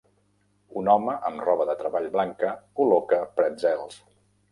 Un home amb roba de treball blanca col·loca pretzels.